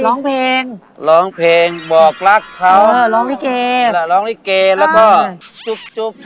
ร้องเพลงร้องเพลงบอกรักเขาเออร้องลิเกล่ะร้องลิเกแล้วก็จุ๊บจุ๊บ